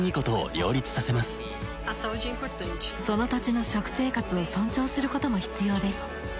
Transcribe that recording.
その土地の食生活を尊重することも必要です。